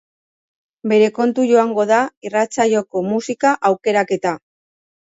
Bere kontu joango da irratsaioko musika aukeraketa.